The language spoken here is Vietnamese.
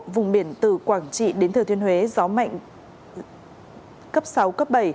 vùng biển từ quảng trị đến thừa thiên huế gió mạnh cấp sáu cấp bảy